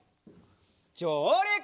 じょうりく！